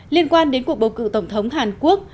liên quan đến cuộc bầu cử tổng thống hàn quốc